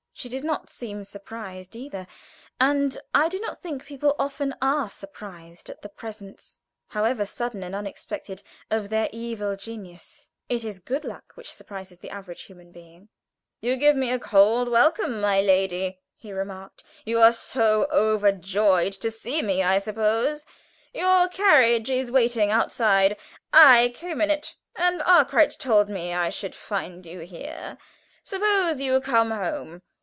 She did not seem surprised either, and I do not think people often are surprised at the presence, however sudden and unexpected, of their evil genius. It is good luck which surprises the average human being. "You give me a cold welcome, my lady," he remarked. "You are so overjoyed to see me, I suppose. Your carriage is waiting outside. I came in it, and Arkwright told me I should find you here. Suppose you come home.